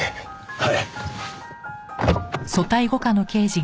はい！